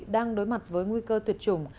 đang đối mặt với nguy cơ tuyệt chủng